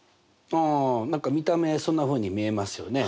あ何か見た目そんなふうに見えますよね。